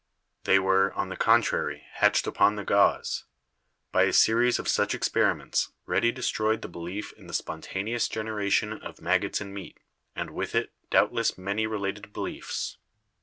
They were, on the contrary, hatched upon the gauze. By a series of such experiments Redi destroyed the belief in the spon taneous generation of maggots in meat, and with it doubt less many related beliefs.